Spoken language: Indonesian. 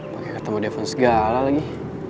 pakai ketemu depan segala lagi